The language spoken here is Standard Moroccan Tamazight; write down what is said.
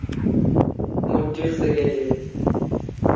ⵎⵎⵓⴷⴷⵉⵖ ⵙ ⴰⴳⴰⴷⵉⵔ.